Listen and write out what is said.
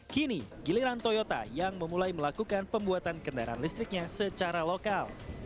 kini giliran toyota yang memulai melakukan pembuatan kendaraan listriknya secara lokal